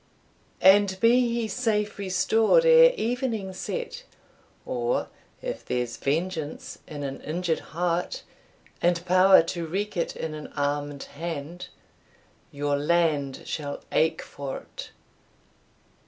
And be he safe restored ere evening set, Or, if there's vengeance in an injured heart, And power to wreak it in an armed hand, Your land shall ache for't.